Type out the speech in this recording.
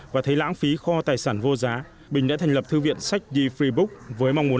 và thấy lãng phí kho tài sản vô giá bình đã thành lập thư viện sách the free book với mong muốn